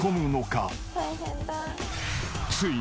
［ついに］